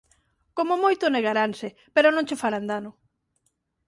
Como moito, negaranse, pero non che farán dano.